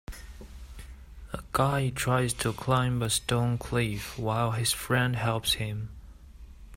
A guy tries to climb a stone cliff while his friend helps him.